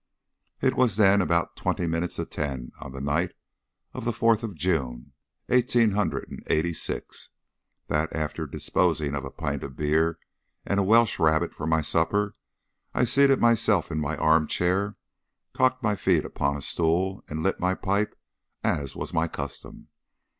It was, then, about twenty minutes to ten on the night of the fourth of June, eighteen hundred and eighty six, that, after disposing of a pint of beer and a Welsh rarebit for my supper, I seated myself in my arm chair, cocked my feet upon a stool, and lit my pipe, as was my custom.